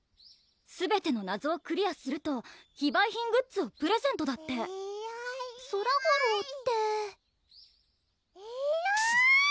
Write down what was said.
「すべての謎をクリアすると非売品グッズをプレゼント」だってソラ吾郎ってえるぅ！